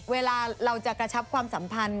เวลาเราจะกระชับความสัมพันธ์